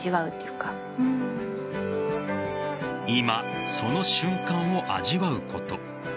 今、その瞬間を味わうこと。